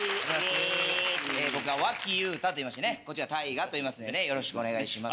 僕がワキユウタといいましてねこちらたいがといいますんでねよろしくお願いします。